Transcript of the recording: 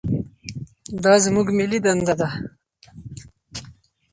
دا زموږ ملي دنده ده.